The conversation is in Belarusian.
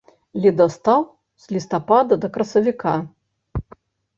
Ледастаў з лістапада да красавіка.